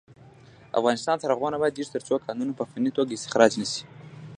افغانستان تر هغو نه ابادیږي، ترڅو کانونه په فني توګه استخراج نشي.